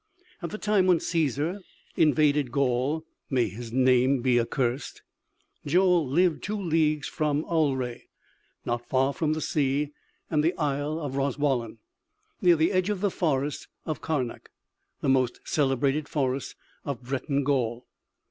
At the time when Cæsar invaded Gaul (may his name be accursed!), Joel lived two leagues from Alrè, not far from the sea and the isle of Roswallan, near the edge of the forest of Karnak, the most celebrated forest of Breton Gaul.